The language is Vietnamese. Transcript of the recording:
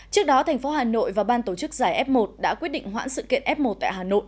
trước đó thành phố hà nội và ban tổ chức giải f một đã quyết định hoãn sự kiện f một tại hà nội